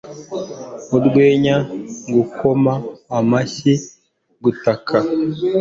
Urwenya gukoma amashyi gutaka